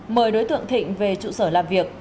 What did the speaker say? mời đối tượng thịnh về trụ sở làm việc